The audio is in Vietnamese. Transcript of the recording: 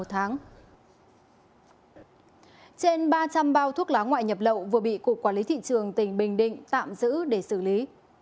trên ba trăm linh bao thuốc lá ngoại nhập lậu vừa bị cục quản lý thị trường tỉnh bình định tạm giữ để xử lý